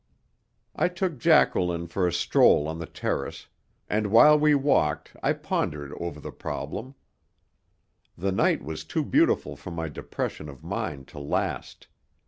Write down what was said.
I took Jacqueline for a stroll on the Terrace, and while we walked I pondered over the problem. The night was too beautiful for my depression of mind to last.